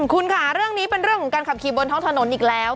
คุณค่ะเรื่องนี้เป็นเรื่องของการขับขี่บนท้องถนนอีกแล้ว